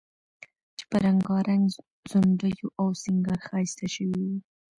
چې په رنګارنګ ځونډیو او سینګار ښایسته شوی و،